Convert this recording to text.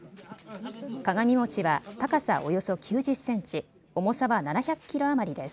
鏡餅は高さおよそ９０センチ、重さは７００キロ余りです。